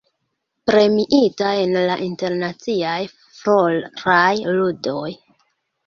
Premiita en la Internaciaj Floraj Ludoj.